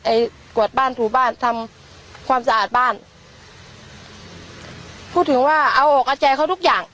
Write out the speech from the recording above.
กวดบ้านถูบ้านทำความสะอาดบ้านพูดถึงว่าเอาออกเอาใจเขาทุกอย่าง